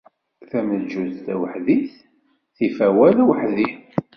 Tameǧǧut taweḥdit tif awal aweḥdi.